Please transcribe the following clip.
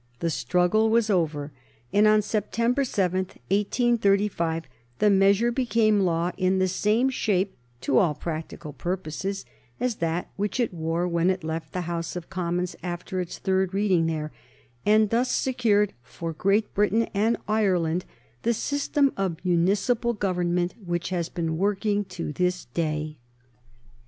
The struggle was over, and on September 7, 1835, the measure became law in the same shape, to all practical purposes, as that which it wore when it left the House of Commons after its third reading there, and thus secured for Great Britain and Ireland the system of municipal government which has been working to this day.